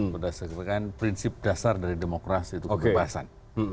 berdasarkan prinsip dasar dari demokrasi itu kebebasan